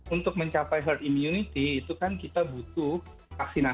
untuk mencapai herd immunity itu kan kita butuh vaksinasi